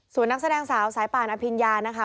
ส่วนนักแสดงสาวสายป่านอภิญญานะคะ